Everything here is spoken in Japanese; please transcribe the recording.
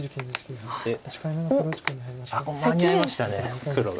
間に合いました黒が。